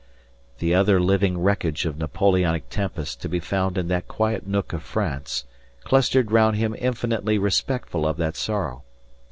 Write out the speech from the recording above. The other living wreckage of Napoleonic tempest to be found in that quiet nook of France clustered round him infinitely respectful of that sorrow.